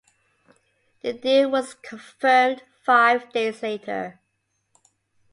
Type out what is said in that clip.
The deal was confirmed five days later.